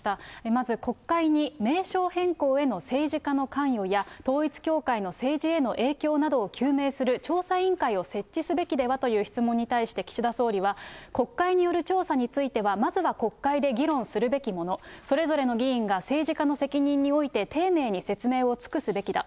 まず国会に名称変更への政治家の関与や、統一教会の政治への影響などを究明する調査委員会を設置すべきではという質問に対して、岸田総理は、国会による調査については、まずは国会で議論するべきもの、それぞれの議員が政治家の責任において、丁寧に説明を尽くすべきだ。